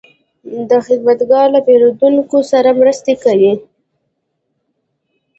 دا خدمتګر له پیرودونکو سره مرسته کوي.